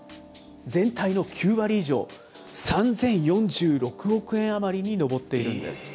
全体の９割以上、３０４６億円余りに上っているんです。